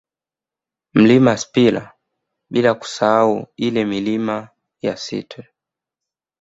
Mlima Sipila bila kusahau ile Milima ya Sitwe